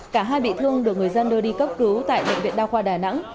cả hai bị thương được người dân đưa đi cấp cứu tại bệnh viện đa khoa đà nẵng